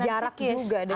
ada jarak juga